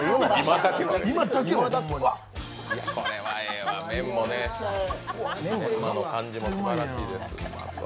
これはええわ、麺の感じもすばらしいですね。